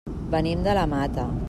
Venim de la Mata.